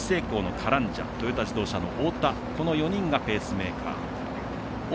愛知製鋼のカランジャトヨタ自動車の太田がこの４人がペースメーカー。